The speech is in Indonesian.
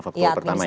faktor pertama ya